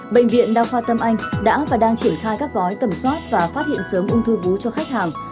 bệnh viện đa khoa tâm anh đã và đang triển khai các gói tẩm soát và phát hiện sớm ung thư vú cho khách hàng